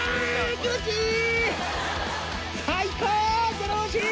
気持ちいい！